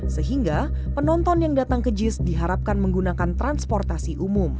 sehingga penonton yang datang ke jis diharapkan menggunakan transportasi umum